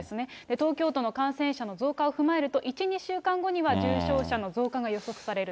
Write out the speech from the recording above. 東京都の感染者の増加を踏まえると、１、２週間後には重症者の増加が予測されると。